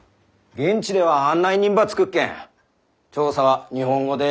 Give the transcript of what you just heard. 現地では案内人ば付くっけん調査は日本語で進めてくんさい。